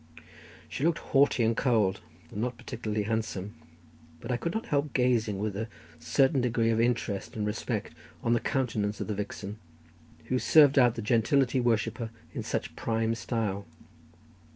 She looked haughty and cold, and not particularly handsome; but I could not help gazing with a certain degree of interest and respect on the countenance of the vixen, who served out the gentility worshipper in such prime style.